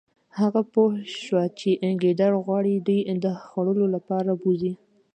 هغه پوه شو چې ګیدړ غواړي دوی د خوړلو لپاره بوزي